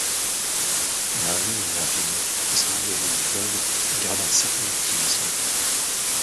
Marnie Minervini, récemment devenue veuve, garde un certain optimisme.